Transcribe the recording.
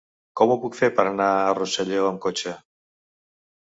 Com ho puc fer per anar a Rosselló amb cotxe?